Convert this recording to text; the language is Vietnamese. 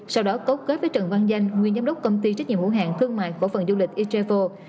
sau đó cấu kết với trần văn danh nguyên giám đốc công ty trách nhiệm hữu hạng thương mại khổ phần du lịch e travel